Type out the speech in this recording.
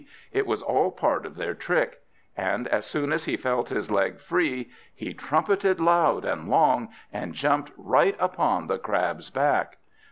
It was all part of their trick. And as soon as he felt his leg free, he trumpeted loud and long, and jumped right upon the Crab's back!